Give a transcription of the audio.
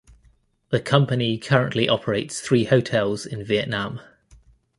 The company currently operates three hotels in Vietnam.